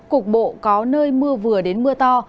cục bộ có nơi mưa vừa đến mưa to